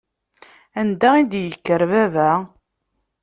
Anda i d-yekker baba.